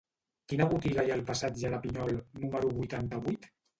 Quina botiga hi ha al passatge de Pinyol número vuitanta-vuit?